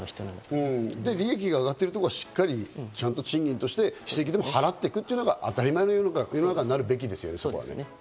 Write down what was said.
で、利益が上がってるところは賃金として非正規でも払っていくのが当たり前の世の中になるべきですね。